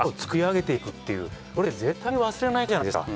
これって絶対に忘れないことじゃないですか。